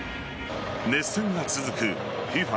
熱戦が続くＦＩＦＡ